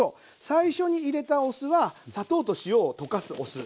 最初に入れたお酢は砂糖と塩を溶かすお酢。